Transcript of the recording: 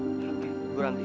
oke gue rangkit